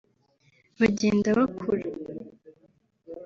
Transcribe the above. bagenda bakura